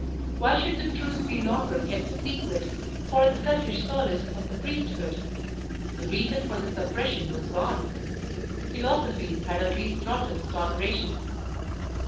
Why should the Truth be longer kept a secret for the selfish solace of the priesthood? The reason for the suppression was gone. Philosophy had at least brought us toleration.